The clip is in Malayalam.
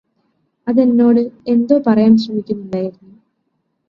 അതെന്നോട് എന്തോ പറയാന് ശ്രമിക്കുകയായിരുന്നു